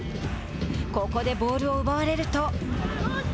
ここでボールを奪われると。